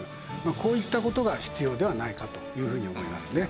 こういった事が必要ではないかというふうに思いますね。